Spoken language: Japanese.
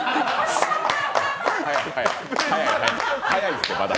早いです、まだ。